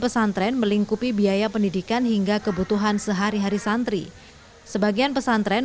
pesantren melingkupi biaya pendidikan hingga kebutuhan sehari hari santri sebagian pesantren